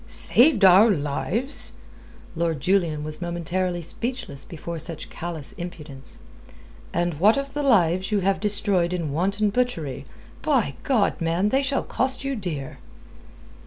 "Saved our lives!" Lord Julian was momentarily speechless before such callous impudence. "And what of the lives you have destroyed in wanton butchery? By God, man, they shall cost you dear."